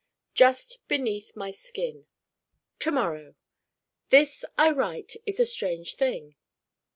Just beneath my skin To morrow This I write is a strange thing.